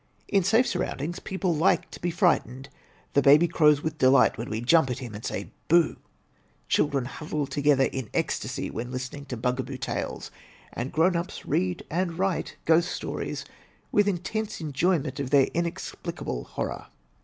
In safe surroundings, people like to be frightened. The baby crows with delight when we jump at him and say, "boo! Children huddle together in ecstasy when lis tening to bugaboo tales; and grown ups read and write ghost stories with intense enjoyment of their inexplicable horror.